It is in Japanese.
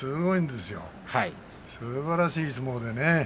すばらしい相撲でね。